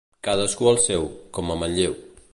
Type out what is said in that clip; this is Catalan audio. Cadascú el seu, com a Manlleu.